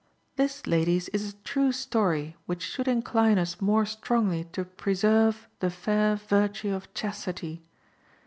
"This, ladies, is a true story, which should incline us more strongly to preserve the fair virtue of chastity.